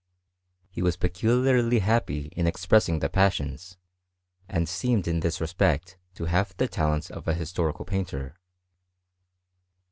He was peculiarly happy in expressing the passions, and seemed in this respect tohave the talents of a historicai painter.